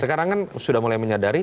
sekarang kan sudah mulai menyadari